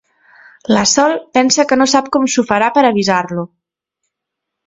La Sol pensa que no sap com s'ho farà per avisar-lo.